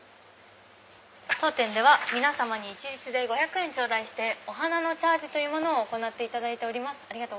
当店では皆様に一律で５００円頂戴してお花のチャージというものを行っていただいております。